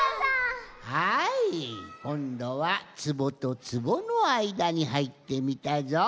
はいこんどはつぼとつぼのあいだにはいってみたぞ。